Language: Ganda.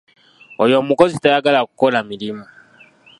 Oyo omukozi tayagala kukola mirimu.